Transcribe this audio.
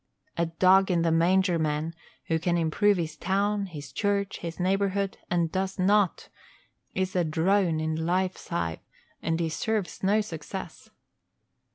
A "dog in the manger" man, who can improve his town, his church, his neighborhood, and does not, is a drone in life's hive and deserves no success.